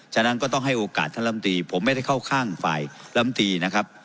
ฉะนั้นก็ต้องให้โอกาสท่านลำตีผมไม่ได้เข้าข้างฝ่ายลำตีนะครับ